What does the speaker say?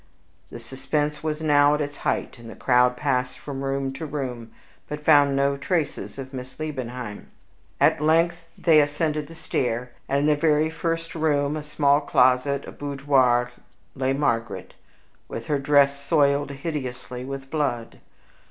The suspense was now at its height, and the crowd passed from room to room, but found no traces of Miss Liebenheim. At length they ascended the stair, and in the very first room, a small closet, or boudoir, lay Margaret, with her dress soiled hideously with blood.